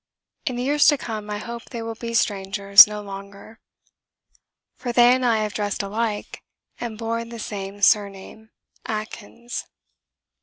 In the years to come I hope they will be strangers no longer. For they and I have dressed alike and borne the same surname Atkins.